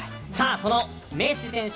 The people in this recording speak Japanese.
そのメッシ選手。